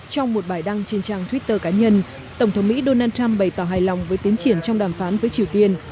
trong một bài đăng trên trang twitter cá nhân tổng thống mỹ donald trump bày tỏ hài lòng với tiến triển trong đàm phán với triều tiên